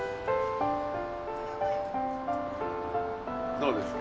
どうですか？